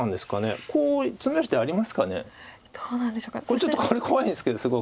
これちょっと怖いんですけどすごく。